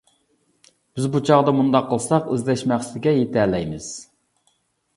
بىز بۇ چاغدا مۇنداق قىلساق ئىزدەش مەقسىتىگە يىتەلەيمىز.